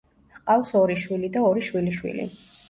ჰყავს ორი შვილი და ორი შვილიშვილი.